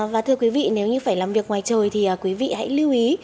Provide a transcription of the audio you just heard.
và thưa quý vị nếu như phải làm việc ngoài trời thì quý vị hãy lưu ý